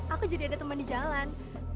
aku jadi ada teman di jalan